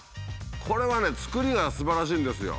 これはね作りがすばらしいんですよ。